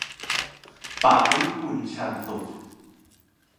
ปะริภุญชันตุ